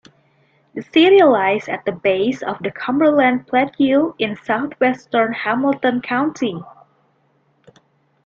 The city lies at the base of the Cumberland Plateau in southwestern Hamilton County.